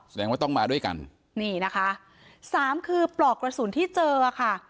แสดงว่าต้องมาด้วยกันนี่นะคะสามคือปลอกกระสุนที่เจอค่ะ